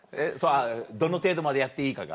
どの程度までやっていいかが？